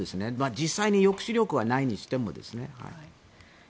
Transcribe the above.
実際に、抑止力はないにしてもですね。